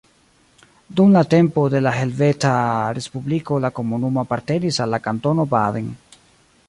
Dum la tempo de la Helveta Respubliko la komunumo apartenis al la Kantono Baden.